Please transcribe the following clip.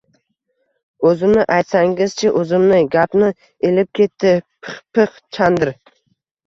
– O‘zimni aytsangiz-chi, o‘zimni! – gapni ilib ketdi Pixpix Chandr